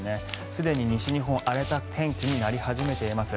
すでに西日本、荒れた天気になり始めています。